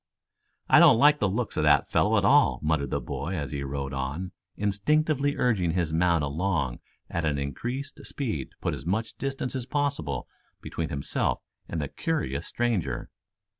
"I don't like the looks of that fellow at all," muttered the boy as he rode on, instinctively urging his mount along at an increased speed to put as much distance as possible between himself and the curious stranger.